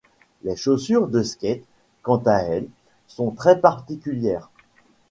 Les chaussures de skate, quant à elles, sont très particulières.